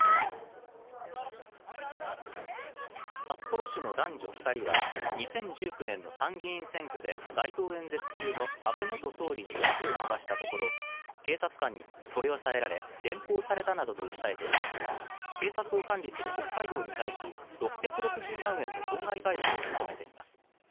札幌市の男女２人は２０１９年の参議院選挙で街頭演説中に、安倍元総理にやじを飛ばしたところ警察官に取り押さえられ連行されたなどと訴えていて警察を管理する北海道に対し６６０万円の損害賠償を求めています。